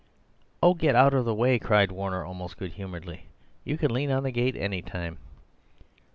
"Oh, get out of the way!" cried Warner, almost good humouredly. "You can lean on the gate any time."